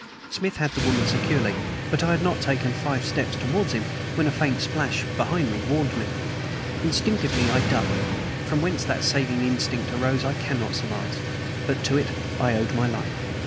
Smith had the woman securely; but I had not taken five steps towards him when a faint splash behind warned me. Instinctively I ducked. From whence that saving instinct arose I cannot surmise, but to it I owed my life.